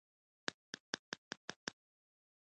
پاچا پلویان له هغه سره په ګټه کې شریک وو.